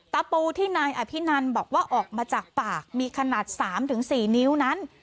ตะปูที่นายอภินันบอกว่าออกมาจากปากมีขนาด๓๔นิ้วนั้น